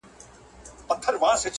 لېوه ته خو بيخي وړ د درناوي يې